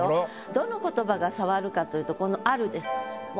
どの言葉が障るかというとこの「ある」です。